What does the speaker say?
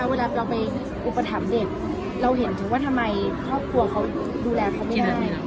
เวลาเราไปอุปถัมภ์เด็กเราเห็นถึงว่าทำไมครอบครัวเขาดูแลเขาไม่ได้